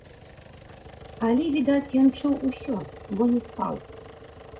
Але відаць, ён чуў усё, бо не спаў.